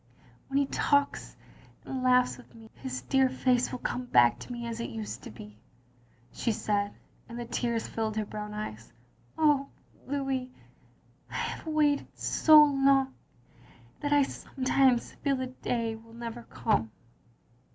"When he talks and laughs with me — ^his dear face will come back to me as it used to be, " she said, and the tears filled her brown eyes. "Oh, Louis — I have waited so long that I sometimes feel the day will never come."